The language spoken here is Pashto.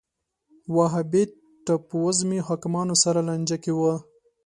وهابیت ټاپووزمې حاکمانو سره لانجه کې و